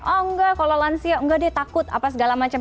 oh enggak kalau lansia enggak deh takut apa segala macam